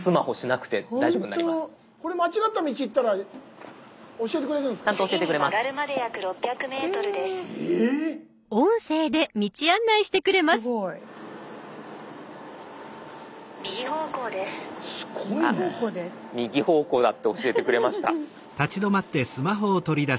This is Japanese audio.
あっ右方向だって教えてくれました。